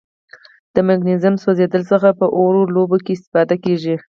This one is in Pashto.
د مګنیزیم سوځیدلو څخه په اور لوبو کې استفاده کیږي.